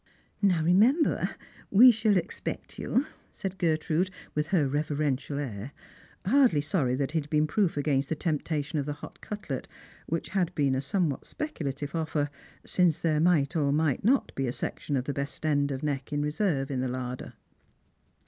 " Now, remember, we shall expect you," said Gertrude, with her reverential air, hardly sorry that he had been proof against the temptation of the hot cutlet, which had been a somewhat speculative offer ; since there might or might not be a section of the ' best end of the neck ' in reserve in the larder.